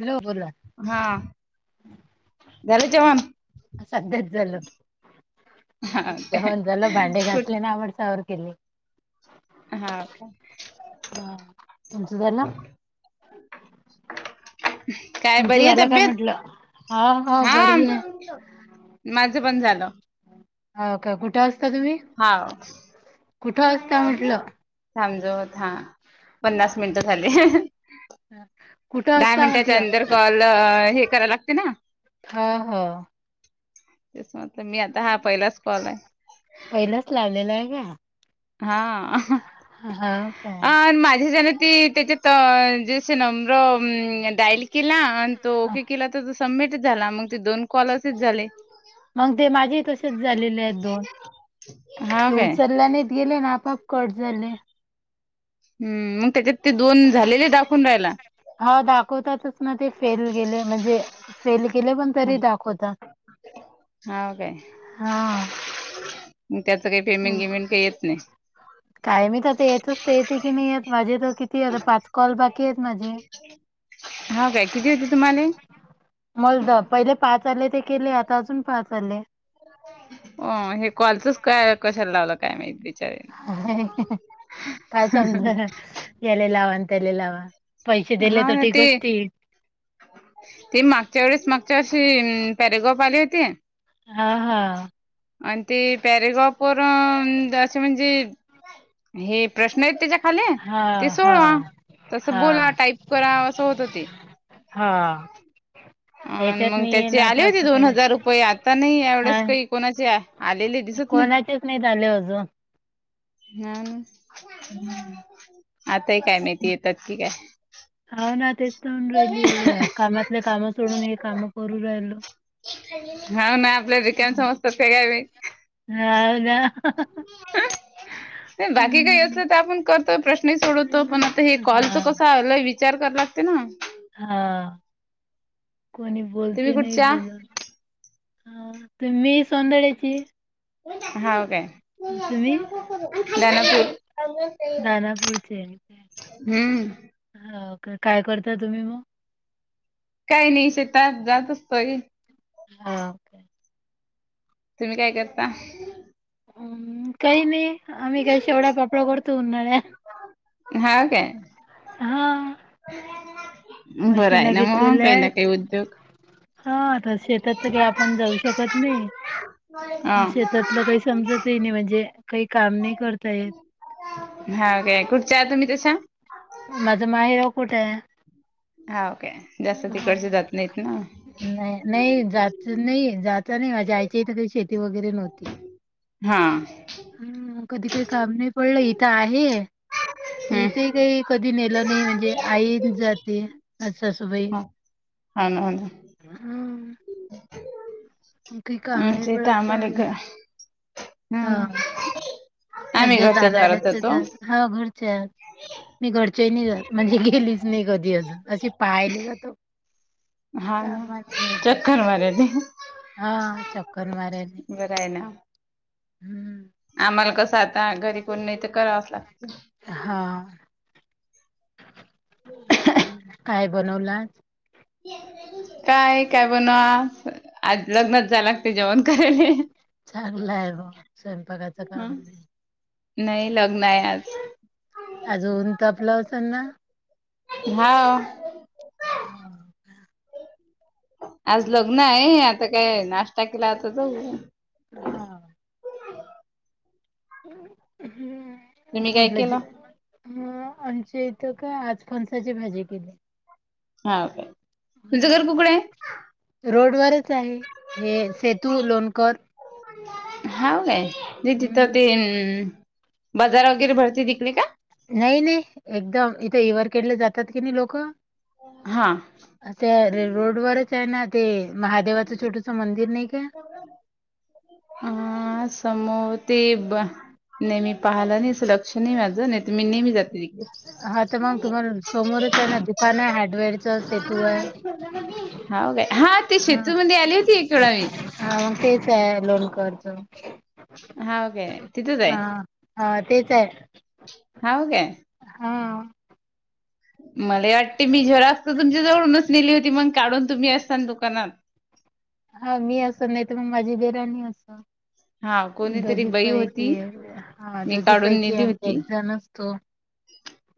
Hello बोला हा झालं जेवाणं सध्याच झाले हा जेवण झालो भांडे कुठ घासले ना आवरता आवर. केले हा का हा तुमचं झाला [unintelligible] काय बरी आहे झालं काय तब्येत म्हटलं हा हा बरी म आहे [unintelligible] माज पण झालं. हो का कुठ? हा कुठं असता म्हटलं? समजवत हा पन्नास मिनिट झाली हाह हाह. कुठं दहा असता मिनिटाच्या म्हटलं अंतर कॉल हे करायला लागते ना? हा हहो तेच म्हटलं मी आता हा पहिलाच कॉल आहे. पहिलंच लावलेलं आहे का हा हो काय अ माझ्याचंन ती त्याच्यात ज ना आम् डायल केलां आण तो ओके केला त सबमिट झाला मग ते दोन कॉल असेच झाले. मग ते माझे तसेच झालेले आहेत दोन, हा ते काय उचलल्याने गेले ना आपोआप कट झाले. हम्म, मग त्याच्यात ते दोन झालेले दाखून राहायला. हा दाखवतातच ते फेल गेले म्हणजेे फेल गले पण तरी दाखवता हाव काय हा. मग त्याचं काही पेमेंट हम गिमेंट काही येत नाही काय मी आता येतच ते येते की नाही येत माझे तर किती आहेता पाच कॉल बाकी आहेत माझे. हा काय किती होते तुम्हाला? मलदा पहिले पाच आले ते केले आता अजून पाच आले. हो हे कॉलचच काय कशाला लावलं काय माहित बिचारेने काय समजना यालेलावा त्याले लावा पैसे दिले हाव तर ना ठीक ते असतील ते मागच्या वेळेस मागच्या वर्षशी पॅरेगाफ आली होती. हा हा आणि ते पॅरेगॉप वर असे म्हणजे हे प्रश्न आहेत त्याच्या खाले हा ते हा सोडवा तस हा बोला टाईप करा असं होत ते हा. अ याच्यात मग नाही ये त्याचे ना आले आता होते असं दोन काही हजार रुपये, आता नाही हा एवढेच काही कोणाचे आलेले कोणाचेच नाही झाले अजून. हा ना हम्म. आता ह काय माहिती येतात कि काय? न राहिली एवढ्या कामातल्या काम सोडून हे काम करू राहिलो हाव ना, आपल्या रिकामे समस्ता काय ते? हाव ना. बाकी काही हम्म. असल तर आपण करतोय, प्रश्नही सोडवतो, पण आता हे कॉलच हा कस आ विच विचार कर लागते ना. हा कोणी तुम्ही बोलते, नाही कुठच्या? बोल हा तर मी सोंदड्याची, हाव काय [unintelligible] दनापूरचे आम्ही. हम्म. हाव का? काय करता तुम्ही म. काही नाही शेत जात असतोय. हो काय तुम्ही काय करता? हम्म काही नाही आम्ही काही शेवढा पापडा कडतो उन्हाळ्या हा काय? हा बरं आहे मशीन ना मग घेतलेल्या काही ना आहेत काही उद्योग. हा. शेतात तर काही आपण जाऊ शकत नाही. हा. शेतातलं काही समजतही नाही म्हणजे काही काम नाही करता येत. हा काय कुठच्या आ तुम्ही तशा? कुठेय. हाव काय जास्त तिकडचे जात नाहीत ना. नाही नाही जात नाही जात नाही माझ्या आईच्या इथ काही शेती वगैरे नव्हती. हां. हं, कधी काही काम नाही पडलं इथं आहे. हम्म इथे काही कधी नेलं नाही, म्हणजे आईन जाते, माझ्या सासूबाई. हा ना, हो ना. हं, काही काम नाही आमच्या इथं पडत आम्हाला घ चणग हा ना हा आम्ही ज्या घरच्या जाणार दारात जातो त्या, हाव घरच्या. मी घरचे नाही जात, म्हणजे गेलीच नाही कधी अजून. अशी पायला जातो. हा ना. कामाला नाही चक्कर मराले. चकर माराले. आम्हाला कसं आता घरी कोण नाही त, करावच लागते. हा काय बनवला? काय काय बनवा आज लग्नात लागते जेवण करायले. चागला आहे म स्वयंपाकाचं काम हं नाही. नाही लग्नये आज. लवचलना. हाव. आज लग्न आहे. आता काय नाश्ता केला. आता जाऊ. हम्म. तुम्ही काय केला? ह आमच्या इथं काय? आज फणसाची भाजी केली. हा काय? तुमच घर कुकडये? रोड वरच आहे, हे सेतू लोनकर. हाव काय? ते तिथं ते अम बाजार वगैरे भरती तिकडे का? नाही नाही एकदम इथे इव्हर केेडले जातात, की नाही लोकं. हा. रोड वरच आहे ना ते महादेवाचं छोटस मंदिर नाही का? अं, समोर ते बा नेहमी पाहिलं नाही अस, लक्ष नाही माझं नाही मी नेहमी जाते. तिकडे हा तर म तुम्हाला समोरचे ना दुकानय हार्डवेअर हाव काय? ते हा शेतूमध्ये आली होती एक वेळा मी हा मग तेच आहे लोन करतो. हा ओके, तिथेच आहे. हा तेच आहे. हाव काय? हा मला वाटते मी झेरॉक्स तुमच्या जवळूनच नेली होती मग काढून तुम्ही असता दुकानात. हा मी असेल नाही तर मग माझी देराणी हा अस- कोणीतरी दोघी बाई होती पैकी हा मी दोघी काढून पैकी आम्ही एक जण असतो.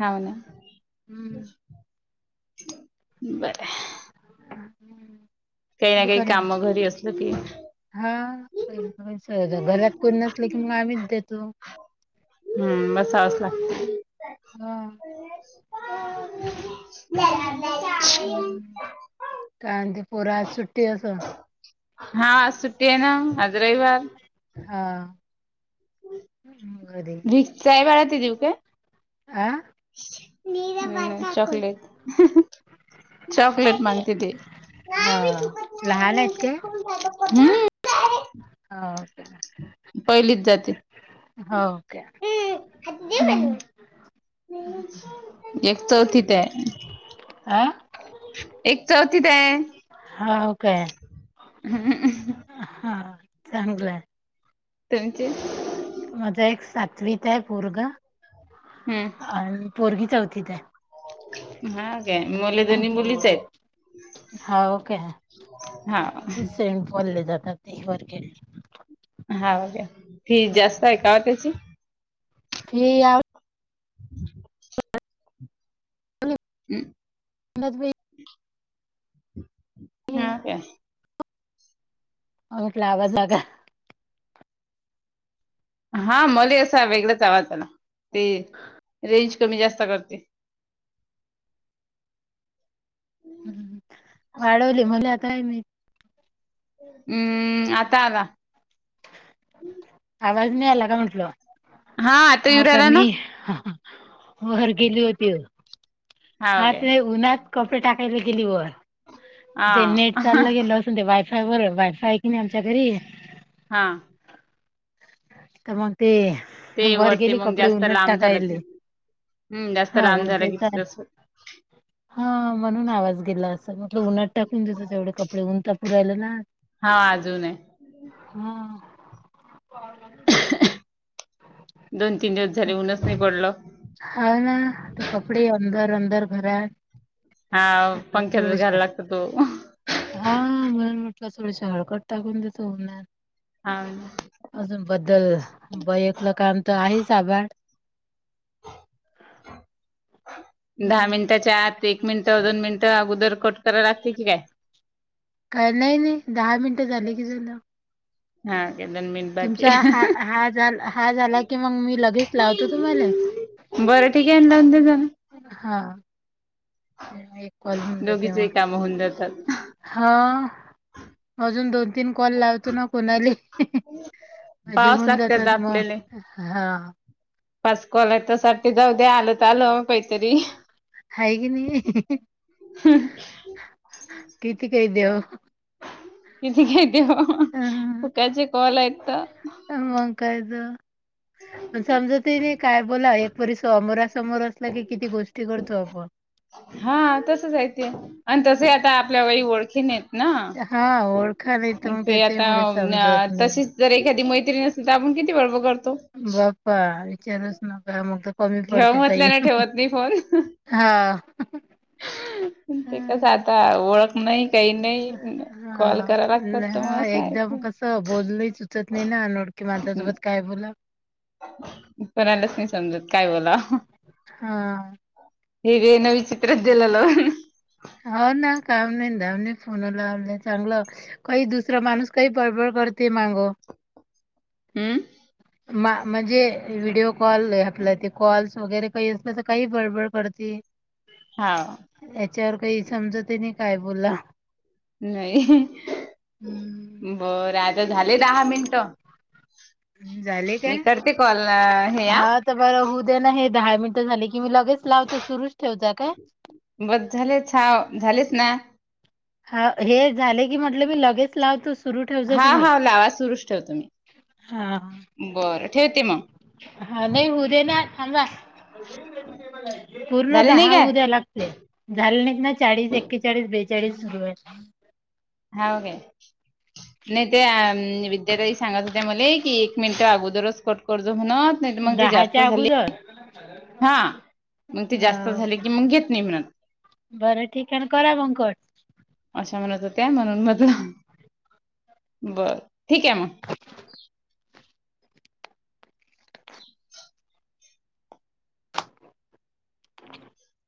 हाऊ ना हम्म बरय. काही ना काही दुकाने, काम घरी असलं की हा. घरात कोण नसले की मग आम्हीच देतो. हा [inaudible] काय म्हणते? हा आज सुट्टीये ना, आज रविवार. हा घरी [unintelligible] आ.. चॉकलेट ह चॉकलेट, चॉकलेट मागती ती.. हा नाही मी लहान आहेत काय थूकत नाही. हो [unintelligible] का पहिलीत जाते. हो काय. एक चौथीत हे. आ एक चौथत हे. होऊ काय हा चांगलंय. तुमची? माझ एक सातवीत हे पोरग हम्म अ पोरगी चौथीत आहे. हा काय मुले दोन्ही मुलीच आहेत. होऊ काय? हा [unintelligible] हाका फीज जास्त आहे का व त्याची? फी आ हम्. हम आवाज होऊ काय. लागत जाग हा मले असा, वेगळाच आवाज आला ते रेंज. कमी जास्त करते. हम् वाढवली मले आता नाही. हम्म आता आला. आवाज नाही आला का म्हंटल. आता येऊ हा राहिला ना कमी. वर गेली होती, हाव हा काय ते उन्हात. कपडे टाकायला गेली, वर ते हा नेट चालल गेल असते ते बरं वायफाय आहे, की नाही आमच्या घरी. हा. तर मग ते ते वर वरती गेली, मग कपडे जास्त उन्हात लांब झालं की टाकायले. हम्म जास्त हा लांब मग झालं की तेचा तस हा म्हणून आवाज. म्हटल उन्हात टाकून देत, तेवढे कपडे उनता पुरायला ना. हा अजून आहे ह. दोन तीन दिवस झाले, उनच नि पडल. हा ना ते कपडे अंदर अंदर घरात. हा पंख्यातच घायला लागतो तो हा हा मग. थोड हळकट टाकून त्याच होऊणार. अजून बद्दल [unintelligible] काम तर आहे दहा हम्म. मिनिटाच्या आत, एक मिनिटं, दोन मिनिटं, अगोदर कट कराय लागते की काय? काय नाही नाही दहा मिनटं झाले की झालं. दन मिनट तुमचा हा बाकी हा झाला हा झाला की मग मी लगेच लावतो तुम्हाला. [unintelligible] बरं ठीक आहे लावून दे हा ते एक कॉल होऊन जा तेव्हा. दोघीचही काम होऊन जातात हा अजून दोन. तीन कॉल लावतो ना कोणाली. पावच जेवन लागतात जातात आपल्याले मग हा. पाच कॉल आहेत त्यासाठी, जाऊ दे्या आलंत आलं काहीतरी. हाय की नाही किती क देऊ. किती कायतीव अ, फकााचे कॉल आयत. मग कायतण समजा तने काय बोला. परी स समोरासमोर असला, की किती गोष्टी करतो आपण. हा, तसचय ते आणि तसे, आता आपल्या वई ओळखी नेत ना हा ओळखा नाही तर मग ते आता त्याच्यामुळे समजत नाही. तशीच जर, एखादी मैत्री नसल तर आपण किती वेळा [unintelligible] विचारच नका मग तर, कमी पडतील तई ठेवत नाही फोन हा. ते कस हं, आता ओळख नाही काही नाही कॉल करा लागतात तर मग हा असं आहे एकदम ते कसं बोललं, च उचत नाही निड कि माझ्यासोबत काय बोला कोणालाच नाही समजत काय बोला. हा. हग नवी चित्र देलल. हा, ना काम नाही धाम नई, फोन लावल, चांगलं काही दुसरा माणूस काही बबड करते मागो. ह [unintelligible] म म्हणजे व्हडिओ कॉल आपल्या ते कॉल्स वगैरे काही असलं, तर काही बडबड करते. हा. विचारवर काही समजते नाही काय बोला. नाही हम्म बरं, आता झाले दहा मिनट. झाले काय? अ, हे हा तर बरं होऊ दे ना हे. दहा मिनिटं झाली की मी लगेच लावतो सुरुच ठेवता काय. झाले, झालेच ना. हा, हे झाले की म्हटलं मी लगेच लावतो. सुर ठेव हा तुम्ही हा लावा सुरूच ठेवतो मी हा. बरं ठेवते मग हा, नाही होऊ दे ना थांबा. [unintelligible] पूर्ण झाले नाही दहा काय होऊ द्याय लागते, झाले नाहीत ना चाळीस एके चाळीस, बेचाळीस. चाळीस सुरू हाय. हे [unintelligible] नाही ते, विद्या ताई सांगत होत्या मले, की एक मिनिट अगोदरच कट. करतो म्हणत नाहीतर मग ते जास्त दहाच्या अगोदर झाले हा, मग ते जास्त झाले अ की मग घेत नाही म्हणत. बरं ठीक आहे ना करा मग कट. अशा म्हणत हो त्या म्हणून म्हणलं बर ठीक आहे मग. [unintelligible] [unintelligible]